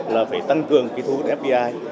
là phải tăng cường cái thu hút fdi